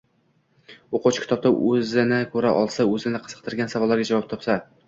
O‘quvchi kitobda o‘zini ko‘ra olsa, o‘zini qiziqtirgan savollarga javob topsa